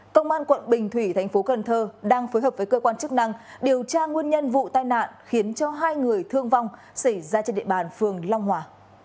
công an quận bình thủy thành phố cần thơ đang phối hợp với cơ quan chức năng điều tra nguyên nhân vụ tai nạn khiến cho hai người thương vong xảy ra trên địa bàn phường long hòa